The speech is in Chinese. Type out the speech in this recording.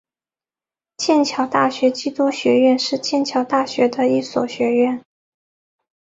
剑桥大学基督学院是剑桥大学的一所学院。